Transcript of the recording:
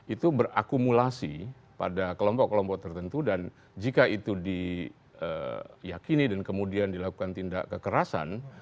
itu berakumulasi pada kelompok kelompok tertentu dan jika itu diyakini dan kemudian dilakukan tindak kekerasan